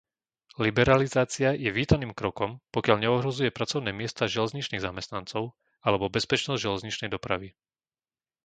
Liberalizácia je vítaným krokom, pokiaľ neohrozuje pracovné miesta železničných zamestnancov alebo bezpečnosť železničnej dopravy.